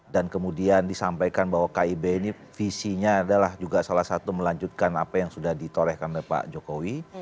dan kemudian disampaikan bahwa kib ini visinya adalah juga salah satu melanjutkan apa yang sudah ditorehkan oleh pak jokowi